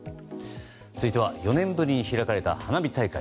続いては４年ぶりに開かれた花火大会。